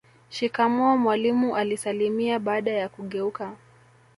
Shikamoo mwalimu alisalimia baada ya kugeuka